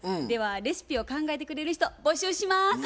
ではレシピを考えてくれる人募集します！